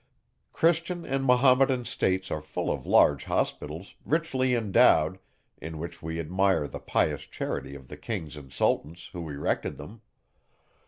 Christian and Mahometan states are full of large hospitals, richly endowed, in which we admire the pious charity of the kings and sultans, who erected them.